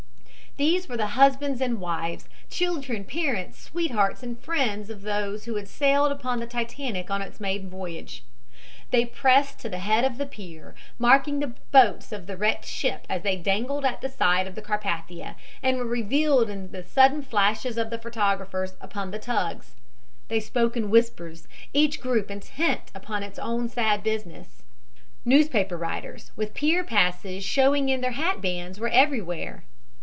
These were the husbands and wives, children, parents, sweethearts and friends of those who had sailed upon the Titanic on its maiden voyage. They pressed to the head of the pier, marking the boats of the wrecked ship as they dangled at the side of the Carpathia and were revealed in the sudden flashes of the photographers upon the tugs. They spoke in whispers, each group intent upon its own sad business. Newspaper writers, with pier passes showing in their hat bands, were everywhere.